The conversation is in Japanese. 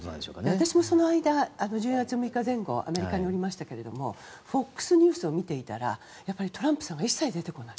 私も、その間１０月６日前後アメリカにおりましたがＦＯＸニュースを見ていたらトランプさんが一切出てこない。